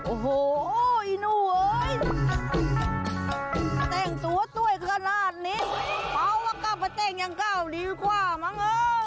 โอ้โหไอ้หนู้เห่ยนั้นแต่งสวยเท่าหน้านี้เพราะว่าก็มาแต่งอย่างก้าวดีกว่าไหม